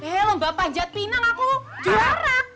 hel lomba panjat pinang aku juara